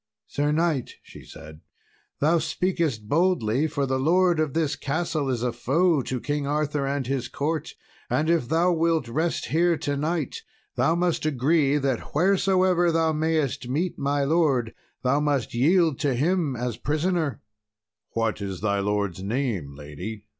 "Sir knight," she said, "thou speakest boldly; for the lord of this castle is a foe to King Arthur and his court, and if thou wilt rest here to night thou must agree, that wheresoever thou mayest meet my lord, thou must yield to him as a prisoner." "What is thy lord's name, lady?"